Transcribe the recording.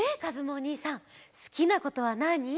おにいさんすきなことはなに？